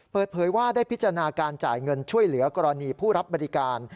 เปิดเผยว่าได้พิจารณาการจ่ายเงินช่วยเหลือกรณีผู้รับบริการ